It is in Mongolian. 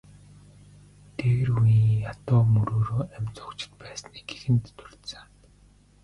Дээр үеийн ядуу мөрөөрөө амь зуугчид байсныг эхэнд дурдсан.